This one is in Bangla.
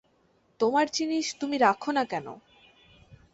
তোমার জিনিস তুমি রাখো-না কেন?